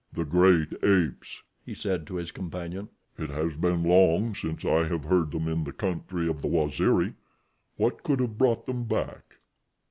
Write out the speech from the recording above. "The great apes," he said to his companion. "It has been long since I have heard them in the country of the Waziri. What could have brought them back?"